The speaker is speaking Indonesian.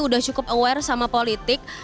udah cukup aware sama politik